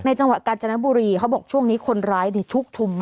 จังหวัดกาญจนบุรีเขาบอกช่วงนี้คนร้ายนี่ชุกชุมมาก